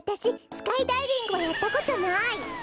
スカイダイビングはやったことない。